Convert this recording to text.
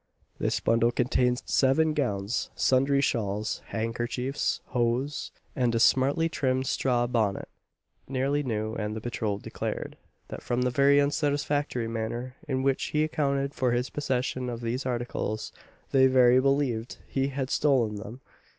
This bundle contained seven gowns, sundry shawls, handkerchiefs, hose, &c., and a smartly trimmed straw bonnet nearly new; and the patrol declared, that from the very unsatisfactory manner in which he accounted for his possession of these articles, they verily believed he had stolen them.